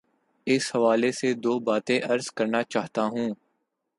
اس حوالے سے دو باتیں عرض کرنا چاہتا ہوں۔